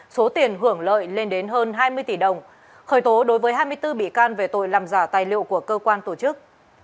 số tiền hưởng lợi lên đến hơn hai mươi tỷ đồng khởi tố đối với hai mươi bốn bị can về tội làm giả tài liệu của cơ quan tổ chức